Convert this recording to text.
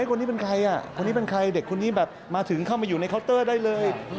คนนี้เป็นใครเด็กคนนี้มาถึงเข้ามาอยู่ในเคาน์เตอร์ได้เลย